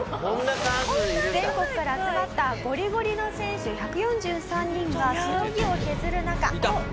全国から集まったゴリゴリの選手１４３人がしのぎを削る中。